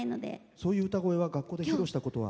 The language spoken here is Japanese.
そういう歌声は学校で披露したことは？